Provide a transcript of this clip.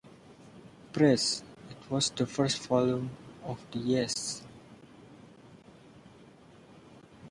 Press, it was the first volume of the Yes!